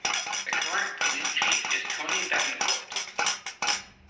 The current police chief is Tony Bettencourt.